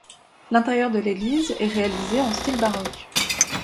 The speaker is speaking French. L'intérieur de l'église est réalisé en style baroque.